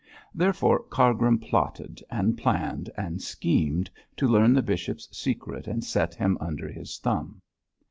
Therefore, Cargrim plotted, and planned, and schemed to learn the bishop's secret and set him under his thumb.